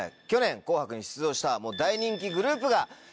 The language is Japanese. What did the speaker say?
去年『紅白』に出場した大人気グループが。